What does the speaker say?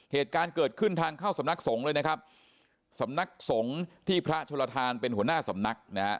เหตุการณ์เกิดขึ้นทางเข้าสำนักสงฆ์เลยนะครับสำนักสงฆ์ที่พระชนลทานเป็นหัวหน้าสำนักนะฮะ